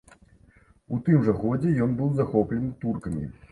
У тым жа годзе ён быў захоплены туркамі.